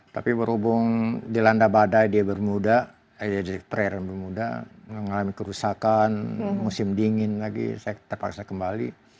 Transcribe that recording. tapi berhubung di landa badai di bermuda di terairan bermuda mengalami kerusakan musim dingin lagi saya terpaksa kembali